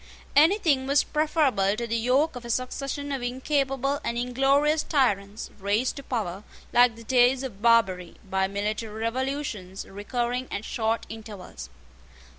Anything was preferable to the yoke of a succession of incapable and inglorious tyrants, raised to power, like the Deys of Barbary, by military revolutions recurring at short intervals.